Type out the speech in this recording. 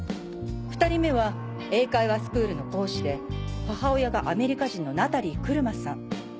２人目は英会話スクールの講師で母親がアメリカ人のナタリー来間さん。